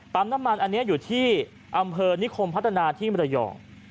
น้ำมันอันนี้อยู่ที่อำเภอนิคมพัฒนาที่มรยอง